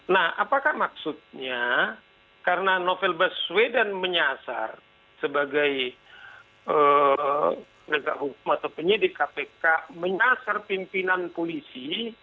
nah apakah maksudnya karena novel baswedan menyasar sebagai penegak hukum atau penyidik kpk menyasar pimpinan polisi